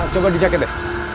coba di jaket ya